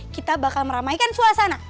kita bakal meramaikan suasana